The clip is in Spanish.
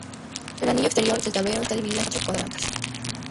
El anillo exterior del tablero está dividido en cuatro cuadrantes.